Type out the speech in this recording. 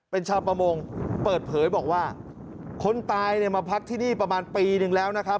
เป็นชาวประมงเปิดเผยบอกว่าคนตายเนี่ยมาพักที่นี่ประมาณปีหนึ่งแล้วนะครับ